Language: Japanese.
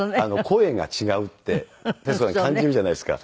声が違うって徹子さん感じるじゃないですか。